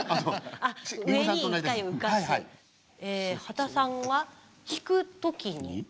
刄田さんは「引く時に」。